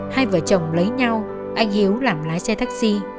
hai vợ chồng lấy nhau anh hiếu làm lái xe taxi